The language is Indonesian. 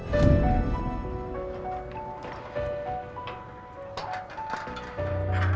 kamu di glamorous ga